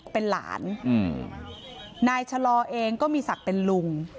เป็นหลานนายชะลอเองก็มีศักดิ์เป็นลุง